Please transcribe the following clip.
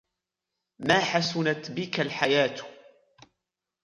مَا حَسُنَتْ بِك الْحَيَاةُ